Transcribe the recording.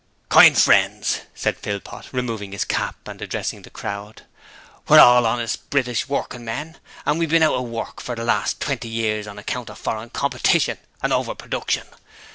'Kind frens,' said Philpot, removing his cap and addressing the crowd, 'we're hall honest British workin' men, but we've been hout of work for the last twenty years on account of foreign competition and over production.